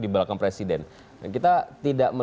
di belakangnya di belakang presiden